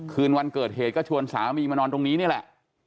คืนวันเกิดเหตุก็ชวนสามีมานอนตรงนี้นี่แหละ